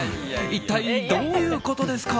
一体どういうことですか？